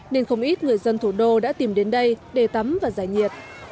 nên không ít người dân thủ đô đã tìm đến đây để tắm và giải nhiệt